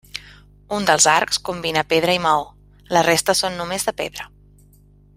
Un dels arcs combina pedra i maó, la resta són només de pedra.